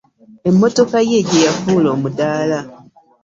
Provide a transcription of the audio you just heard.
Emmotoka ye gyeyafuula omudaala.